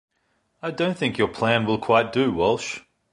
I don't think your plan will quite do, Walsh.